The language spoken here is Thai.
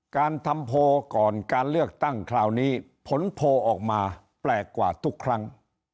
การทำโพลก่อนการเลือกตั้งคราวนี้ผลโพลออกมาแปลกกว่าทุกครั้ง